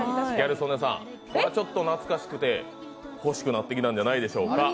ギャル曽根さん、ちょっと懐かしくて欲しくなってきたんじゃないでしょうか。